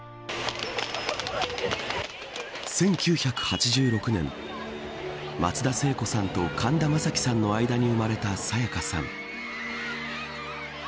１９８６年松田聖子さんと神田正輝さんの間に生まれた沙也加さん。